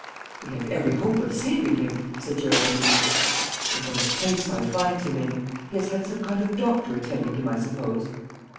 "We have every hope of saving him," said Geraldine. "And what a place I find him in! He has had some kind of doctor attending him, I suppose?"